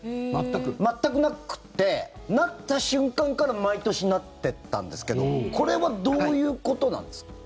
全くなくて、なった瞬間から毎年なってったんですけどこれはどういうことなんですか？